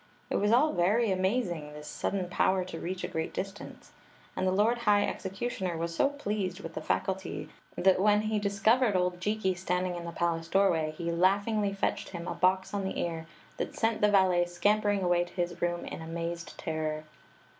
It was all very amazing, this sudden power to reach a great distance, and the lord high execu tioner was so pleased with the faculty that when he discovered old Jikki standing in the palace doorway, he laughingly fetched him a box on the ear that sent Story of the Magic Cloak 125 the valet scampering away to his room in amazed terror.